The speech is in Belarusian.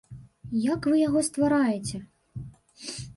Як вы яго ствараеце?